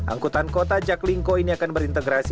angkutan kota jaklingko ini akan berintegrasi